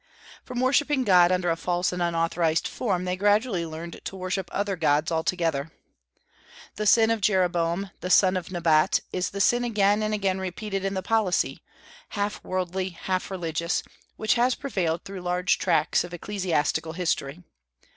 From worshipping God under a false and unauthorized form they gradually learned to worship other gods altogether.... 'The sin of Jeroboam, the son of Nebat,' is the sin again and again repeated in the policy half worldly, half religious which has prevailed through large tracts of ecclesiastical history....